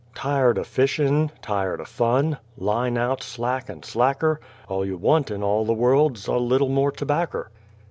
Tired o' fishin' tired o' fun line out slack and slacker All you want in all the world's a little more tobacker!